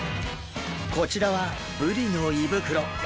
こちらはブリの胃袋！